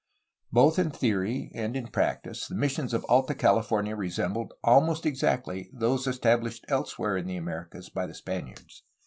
Both in theory and in practice the missions of Alta Califor nia resembled, almost exactly, those established elsewhere in the Americas by the Spaniards.